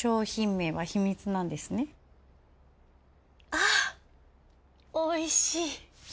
あおいしい。